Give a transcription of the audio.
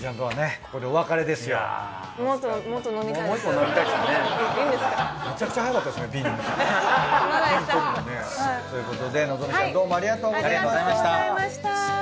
はい！